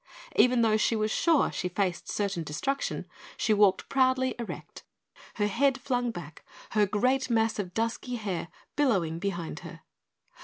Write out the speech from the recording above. Even though she was sure she faced certain destruction, she walked proudly erect, her head flung back, her great mass of dusky hair billowing behind her.